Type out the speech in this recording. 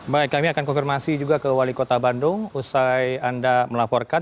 baik kami akan konfirmasi juga ke wali kota bandung usai anda melaporkan